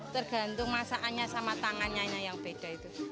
tergantung masaannya sama tangannya yang beda itu